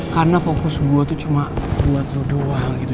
karena fokus gue tuh cuma buat lo doang gitu